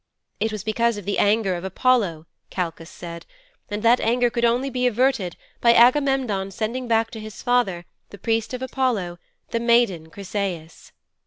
'It was because of the anger of Apollo, Kalchas said; and that anger could only be averted by Agamemnon sending back to his father, the priest of Apollo, the maiden Chryseis.